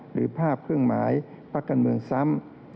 หรือภาพเครื่องหมายพักการเมืองซ้ำ